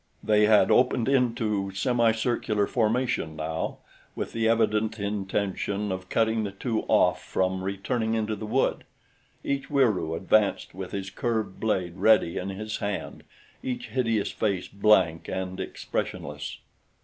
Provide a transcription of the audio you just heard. They had opened into semicircular formation now with the evident intention of cutting the two off from returning into the wood. Each Wieroo advanced with his curved blade ready in his hand, each hideous face blank and expressionless.